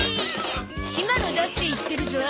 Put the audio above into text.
ひまのだって言ってるゾ。